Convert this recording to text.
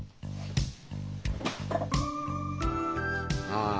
ああ。